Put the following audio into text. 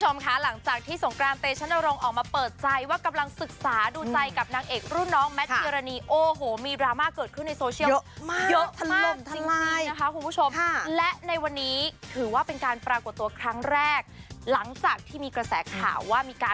วันนี้ก็ช่วงหลักมาแล้วที่ที่พี่เขาบอกว่าไปฟิกเน็ตในละคะ